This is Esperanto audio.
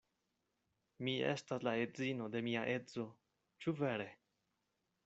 Mi estas la edzino de mia edzo; ĉu vere?